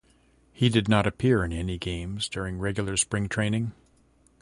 He did not appear in any games during regular Spring training.